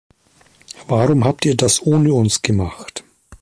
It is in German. Warum habt ihr das ohne uns gemacht?